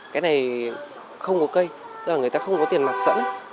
cái này không có cây tức là người ta không có tiền mặt sẵn